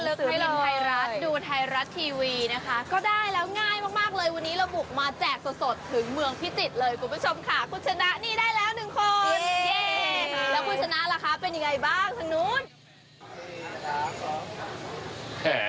เย่แล้วคุณชนะล่ะคะเป็นอย่างไรบ้างทางนู้น